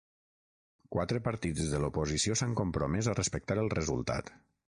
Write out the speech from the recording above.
Quatre partits de l’oposició s’han compromès a respectar el resultat.